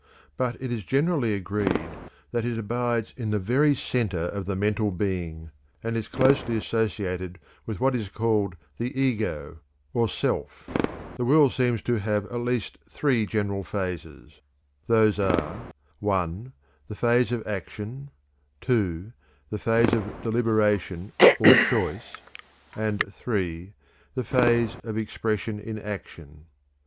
But it is generally agreed that it abides in the very center of the mental being, and is closely associated with what is called the ego, or self. The will seems to have at least three general phases, viz.: (1) The phase of desire, (2) the phase of deliberation or choice, and (3) the phase of expression in action.